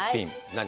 何？